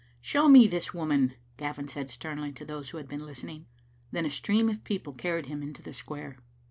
"Show me this woman," Gavin said sternly to those who had been listening. Tj^en a stream of people carried him into the square.